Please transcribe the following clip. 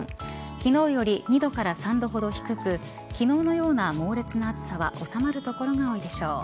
昨日より２度から３度ほど低く昨日のような猛烈な暑さは収まる所が多いでしょう。